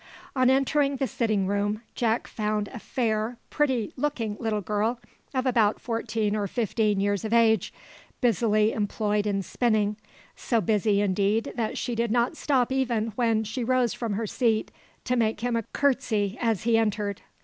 On entering the sitting room, Jack found a fair, pretty looking little girl, of about fourteen or fifteen years of age, busily employed in spinning, so busy indeed that she did not stop even when she rose from her seat to make him a courtesy as he entered.